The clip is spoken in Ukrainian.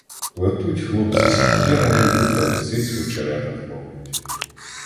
Плетуть хлопці сітки на рибу та лисиць в очеретах ловлять.